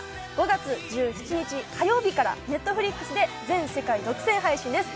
５月１７日火曜日からＮＥＴＦＬＩＸで全世界独占配信です